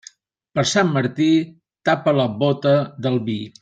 Per Sant Martí, tapa la bóta del vi.